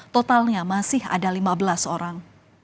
totalnya masih ada lima belas orang